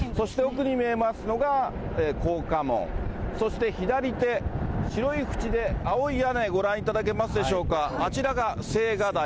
そして奥に見えますのが、光化門そして左手、白い縁で青い屋根、ご覧いただけますでしょうか。